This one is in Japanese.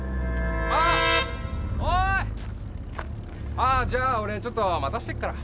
ああじゃあ俺ちょっと待たしてっから。